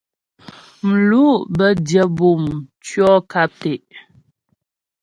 Mlu' bə́ dyə bûm tʉɔ̂ nkap tɛ'.